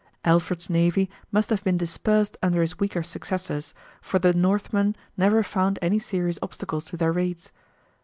Alfred's navy must have been dispersed under his weaker successors, for the Northmen never found any serious obstacles to their raids.